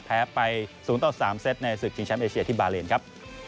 แพ้ไป๐ต่อ๓เซตในศึกชิงแชมป์เอเชียที่บาเลนครับ